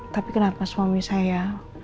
tapi kenapa suami saya